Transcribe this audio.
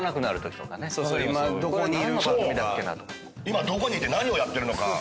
今どこにいて何やってるのか。